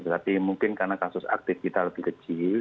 tapi mungkin karena kasus aktif kita lebih kecil